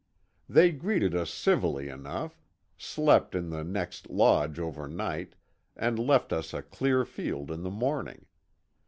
They greeted us civilly enough, slept in the next lodge overnight, and left us a clear field in the morning.